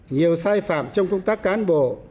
nhiều sai phạm trong công tác cán bộ